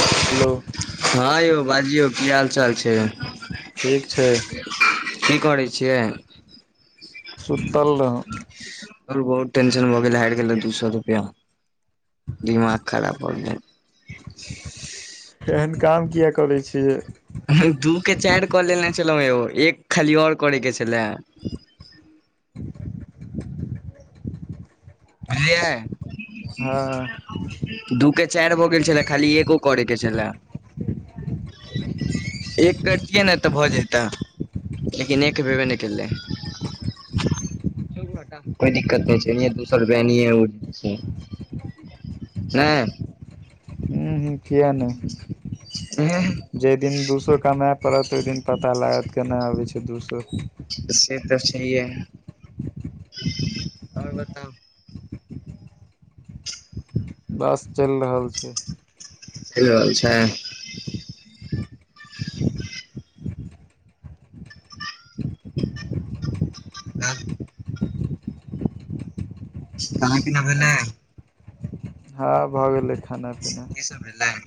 hello हँ यौ बाजियौ की हाल चाल छै ठीक छै की करै छियै सुतल रहौं आओर बहुत टेंशन भऽ गेला हारि गेलौं दू सए रुपया दिमाग खराब भऽ गेल तऽ एहन काम किए करै छियै दू के चारि कऽ लेने छलहुँ यौ एक खाली और करे के छले बुझलियै हँ दू के चारि भऽ गेल छलए खाली एगो करयके छलए एक करतियै ने तऽ भऽ जैते लेकिन एक भेबे नहि केलै कोइ दिक्कत नहि छै सौ रुपया एनियें ओनी छै हूँ हूँ किये नहि जहि दिन दू सए कमाए पड़त तहि दिन पता लागत केना अबै छै दू सए से तऽ सहिएै आओर बताउ बस चलि रहल छै चलि रहल छै आ खाना पीना भेलय हँ भऽ गेलै खाना पीना कि सब भेलय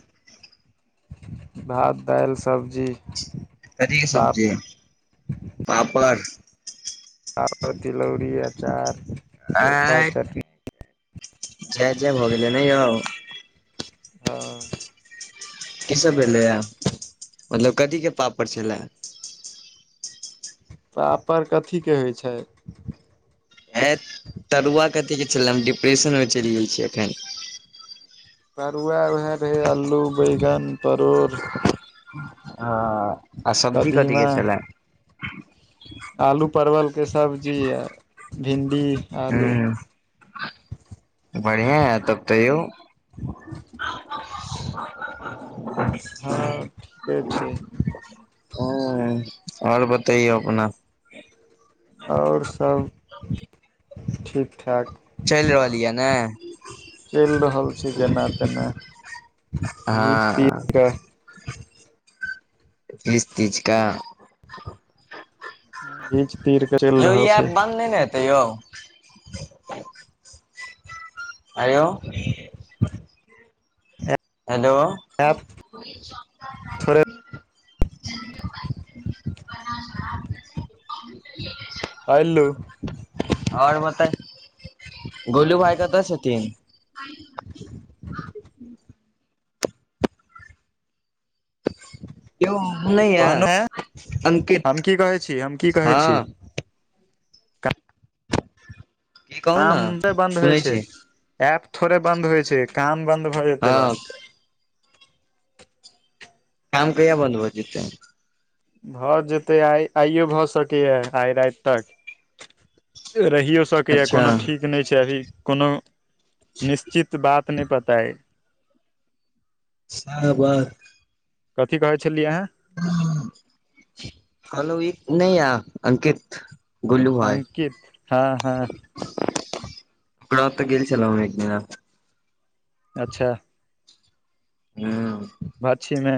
भात दालि सब्जी कथि के सब्जी पापड़ पापर तिलौरी आचार चोखा आ चटनि जय जय भऽ गेलै ने यौ हँ की सब भलैएा मतलब कथी के पापड़ छलै पापड़ कथी के होइ छै ए तरुआ कथी के छल हम डिप्रेशन मे चलि जाइ छी एखन तरुआ उएह रह आलू बैगन परोर आ आ सब्जी कथी कदीमा के छलै आलू परवल के सब्जी य भिंडी आलू बढ़िआ है तब त यौ [unintelligible] हँ ठीके छै ह्म और बतइयौ अपना और सब ठीक ठाक चलि रहल यऽ ने चलि रहल छै जेना तेना घीच तीर हँ कऽ घिच तीच क घीच तीर के चलि हो ई रहल छै ऐप बन्द नहि ने हेतै यौ हँ अयौ हेलो ऐप थोड़े [unintelligible] आ [unintelligible] हेलो आओर बताही गोलू भााय कतऽ छथिन यो वो नई या कहनो है हम अंकित की कहै छी हम की कहै हँ छी की कहू ने कामे बन्द होइ सुनै छै छी ऐप थोड़े बन्द होइ छै काम बन्द भए जेतै हँ बस काम कहिया बन्द भ जेतै भऽ जेतै आइ आइयो भऽ सकैए आइ राति तक रहियो सकैया अच्छा कोनो ठीक नहि छै अभी कोनो निश्चित बात नहि पता या शरबत कथी कहै छलियै अहां कहलौं ई नहि या अंकित गोलू भाय अंकित हँ हँ ओकरा ओत गेल छलौं हम एकदिना अच्छा हुँ भछीमे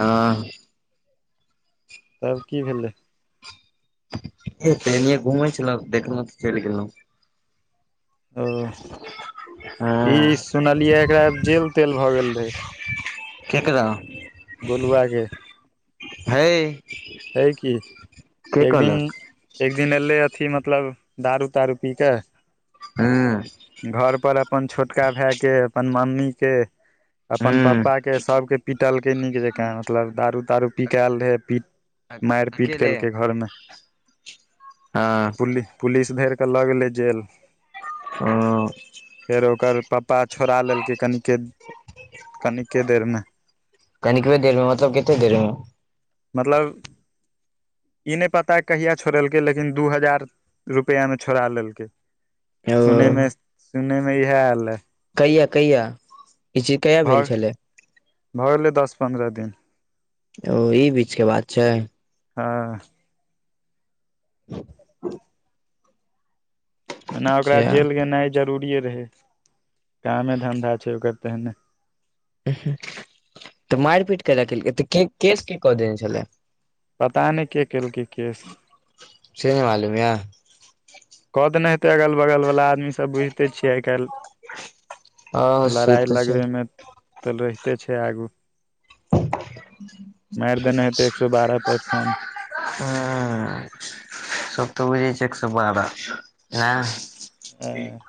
हाँ तब की भेलै ए त एने घुमै छलौं देखलहुँ तऽ चलि गेलहुँ ओ ई हँ सुनलियै एकरा जेल तेल भए गेल रहे केकरा गोलुआ के है है कि एक दिन कहलक एक दिन एयले अथी मतलब दारू तारू पी कऽ हँ घरपर अपन छोटका भायके अपन मम्मीके अपन हूँ पप्पाके सभके पिटलकै नीक जेकाँ मतलब दारू तारू पिक आयल रहै पि मारि पीट अकेले केलकै घरमे हँ पुलि पुलिस धरि कऽ लऽ गेलै जेल ओ फेर ओकर पप्पा छोड़ा लेलकै कनिके कनिके देरमे कनिकबे देरमे मतलब कते देरमे मतलब ई नहि पता कहिया छोड़ेलकै लेकिन दू हजार रुपया में छोड़ा लेलकै ओ सुनेमे सुनेमे इहै आयल रहै कहिया कहिया ई चीज कहिया भऽ भेल छलै भऽ गेलै दस पन्द्रह दिन ओ ई बीच के बात छै हँ [inaudible] अना ओकरा अच्छा जेल गेनाइ जरूरिए रहै कामे धन्धा छै ओकर तेहने तऽ मारि पीट कैय लऽ तऽ केस के कऽ देन छलै पता नहि के केलकै केस छै नहि मालूमियै कहत नै त अगल बगल बल्ला आदमी सब सब बुझिते छियै आइ काल् हँ से लड़ाइ तऽ छै लगबे मे तऽ रहिते छै आगू मारि देने हेते एक सो बारह पर फोन ह सब तऽ बुझै छै एक सए बारह ह ह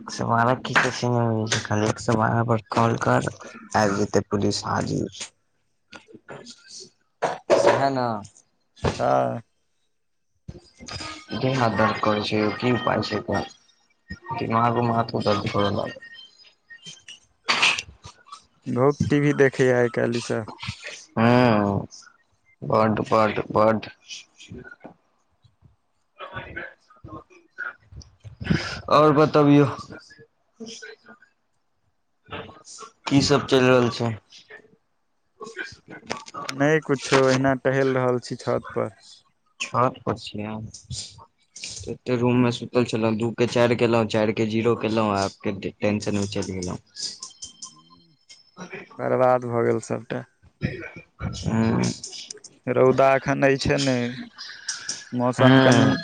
एक सए बारह की कह छै खाली एक सए बारह पर कॉल कर आबि जेतै पुलिस हाजिर है न हँ क हदर कर छै की पाय छै एकर दिमाग माठौ दर्द करऽ लागै बहुत टी वी देखैय छैय आई काईल ईसब ह बड बड बड आओर बतबियौ [inaudible] [unintelligible] की सब चलि रहल छै नई कुछो अहिना टहैल रहल छी छत पर छत पर छिये एते रूम मे ल छलहुँ दू के चारि केलहुँ चारिके जीरो केलहुँ आबके टेंशन मे चलि गेलहुँ [unintelligible] बरबाद भऽ गेल सभटा ह्म रौदा एखन अछि नै मौसम कनि ह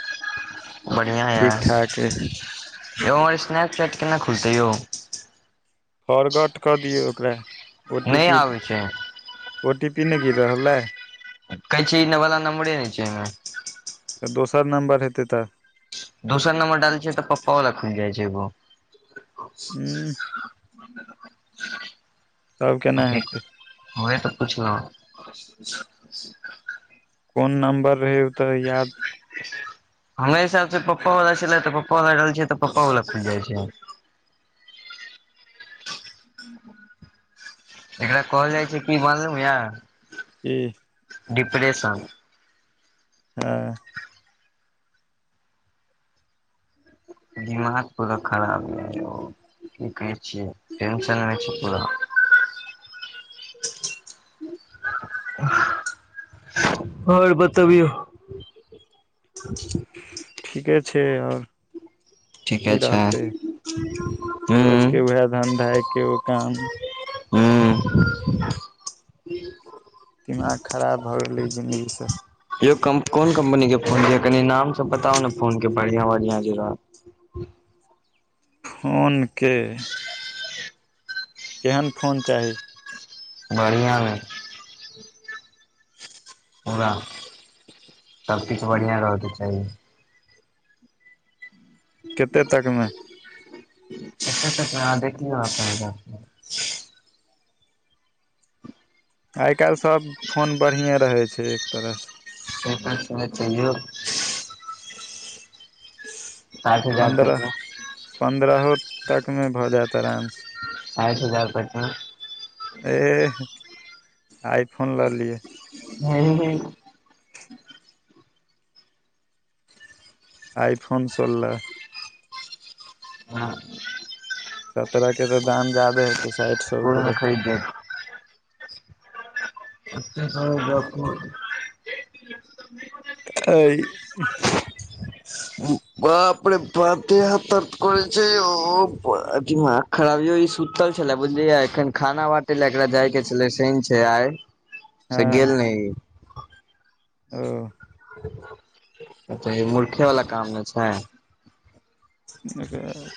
बढ़िया ठीक ठाक अय य हमर स्नैक चैट केना खुलतै यौ फॉर्गट कऽ दियौ ओकरा ओ टी नहि पी आबे छै ओ टी पी नहि गिर रहल अै कहै च न बला न मु नहि छैमे तऽ दोसर नम्बर हेतै तऽ दोसर नंबर डालै छ तऽ पप्पा वला खुलि जाइ छै एगो उ तब केना हेतै [unintelligible] ओहि तऽ पुछलौ [inaudible] कोन नम्बर रहै ओ तऽ याद हमरा हिसाबसँ पप्पा वला छलै तऽ पप्पा वला ल रहल छै तऽ पप्पा वला खुल जाइ छै एकरा कहल जाइ छै की मालुम यए कि डिप्रेशन हां दिमाग पूरा खराब कि कहै छिय टेंशन पुरा आओर बताबियौ [unintelligible] ठीके छै आओर ठीके की छै रहतै हूँ रोज के उएह धन्धा एके गो काम हू दिमाग खराब भऽ गेलै जिन्दगीसँ यौ कोन कम्पनी के फोन या कनी नाम सब बताउ ने फोन के बढ़िया बढ़िया जे रह [unintelligible] फोन के केहन फोन चाही बढ़िआँमे पूरा सबकछु बढ़िआ रहके चाही कतेक तकमे अच् तह देखिय आ पेगा आइ काल्हि सभ फोन बढ़ियएँ रहै छै एक तरहसँ तप चाहियौ साठि हजार तक पन्द्रह मे पन्द्रहो तकमे भऽ जायत आरामसे साठि हजार पना एह आइफोन लऽ लियै हँ ह आइफोन सोलह हँ सत्ररह के तऽ दाम जदे हेते साठि सए पे क अ कह जा एहिइ ब अपनेे बत हथ करै छै ओथी खराबियो ई सुतल छलै बुझलियै एखन खाना बाटे लए एकरा जाय के छले सन छै आइ से हँ गेल नहि ओ अछा मूर्खे वाला काम मे छै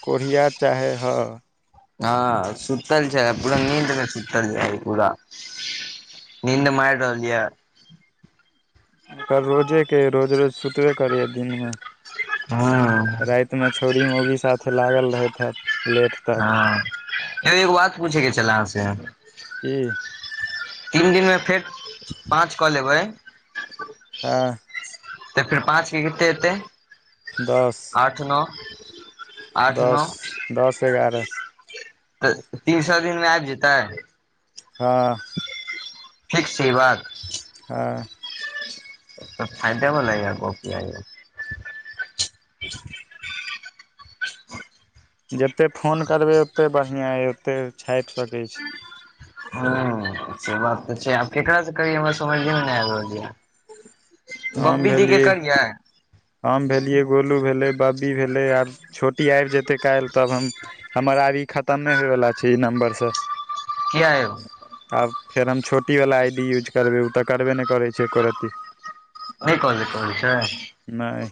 कोढ़िया चाहै हइ हँ सुतल छै पूरा नीदं इ कूरा नीन्द मरलिय ओकर रोजेके रोज रोज सुतबे करै यै दिनमे हँ रातिमे छौड़ी मौगी साथे लागल रहैत हैत लेट तक हँ एक बात पूछेके छलै अहाँ से की तीन दिनमे फेर पाँच कऽ लेबै हँ तऽ फेर पाँचके कते एतै दस आठ नौ दस दस एगारह तऽ तीन सए दिन मे आबि जेतै हँ फक्स छै ई बात ह तऽ फायदे बला गप यै यौ जतेक फोन करबै ओतेक बढ़िआँ अइ ओते छापि सकैत छी ह से बात तऽ छै आब केकरास से कभ हमरा समझलेमे नहि आबि रहल यै हम बब्बी दी के भेलियै करियै हम भेलियै गोलू भेलै बबी भेलै आर छोटी आबि जेतै काल्हि तब हम हमर आब ई खतमे होइवला छै ई नम्बरसे कियै यौ आब फेर हम छोटी वाला आई डी यूज करबै ओ तऽ करबे नै करैत छै एको रत्ती नहि कहले कहै छै नहि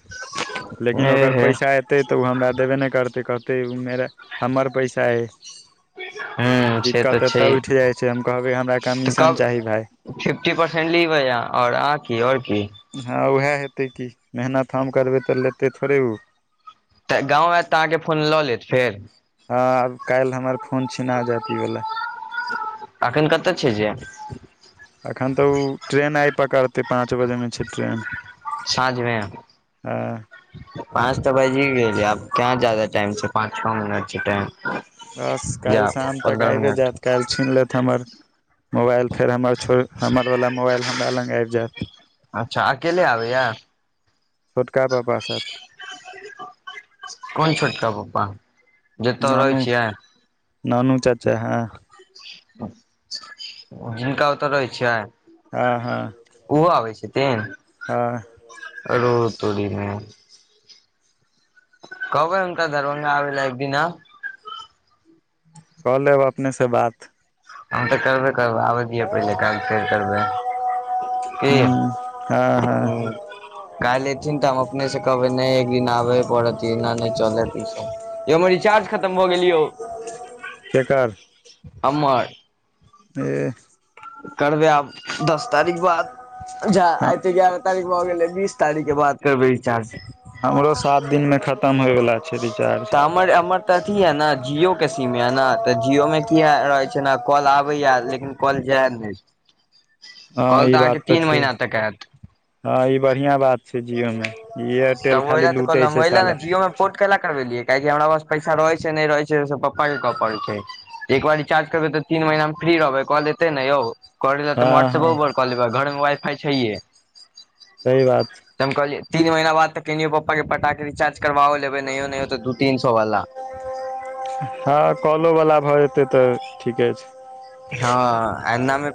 लेकिन ओकर एहे पैसा एत तै तऽ ओ हमरा देबे नहि करतै कहतै ओ मेरा हमर पैसा हइ ह से दिक्कत तऽ छै एतऽ उठि जाइ छै हम कहबै हमरा तऽ कमीशन कब चाही भाय फिफ्टी परसेंट लीबै य और आ की और की हँ ओएह हेतै की मेहनत हम करबै तऽ लेतै थोड़े उ तऽ गाँव आयत तऽ अहाँके फोन लऽ लेत फेर हँ आब काल्हि हमर फोन छिना जायत ई वाला एखन कतऽ छियै जे एखन तऽ ओ ट्रेन आइ पकड़तै पाँच बजेमे छै ट्रेन साँझमे हँ पाँच तऽ बाजिये गेलै आब कहां जादा टाइम छै पाँच छौ मिनट छै टाइम बस काल्हि जा शाम तक पन्द्रह आयबे मिनट जाइत काल्हि छीन लेत हमर मोबाइल फेर हमर छोड़ हमरवला मोबाइल हमरा लग आबि जायत अच्छा अकेले आबैया छोटका पप्पा साथ कोन छोटका पप्पा जे एतय रहै नानू छियै नानू चाचा हँ जिनका ओतऽ रहै छियै हँ हँ ओहो आबै छथिन हँ रौ तोड़ि मै कहबै हूनका दरभंगा आबैलै एक दिना कऽ लेब अपनेसँ बात हम तऽ करबे करबै आबै दियौ पहिले काल्हि फेर करबै की ह्म आ हा काल्हि एथिन तऽ हम अपने से कहबै नहि एक दिन आबहे पड़त एना नहि चलत ई सब यौ हमर रिचार्ज खत्म भऽ गेल यौ केकर हमर एह करबै आब दस तारीख बाद जा आय त ग्यारह तारीख भ गेलै बीस तारीख के बाद करबै रिचार्ज हमरो सात दिन मे खत्म होयवला छै छै रिचार्ज तऽ हमर हमर तऽ अथी यऽ न जिओके सीम यऽ न तऽ जिओमे की आ रहै छै ने कॉल आबैया लेकिन कॉल जायत नहि हँ कॉल ई तऽ अहाँके बात तीन छै महिना तक आयत हँ ई बढ़िआँ बात छै जिओमे ई एयरटेल तब ओहि खाली लए तऽ कहल लूटै हम छै ओहि लए ने साला जियो मे पोर्ट कैला करवेलियै काहेकि हमरा पास पैसा रहै छै नहि रहै छै से पप्पा कहऽ पड़ै छै एक बार रिचार्ज करबै तऽ तीन महीना हम फ्री रहबै कॉल एतै न यौ करेला तऽ हँ हम हँ व्हा्ट्सपो पर कऽ लेबैऽ घर मे वाइफाइ छैहे सही बात छै त हम कहलियै तीन महीना बाद तऽ कहिनो पप्पा के पटाक रिचार्ज करवाओ लेबै न‌इयो न‌इयो त दू तीन सौ वाला हँ कॉलो वला भऽ जेतै तऽ ठीके छै हँ एना